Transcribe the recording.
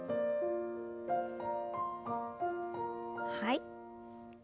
はい。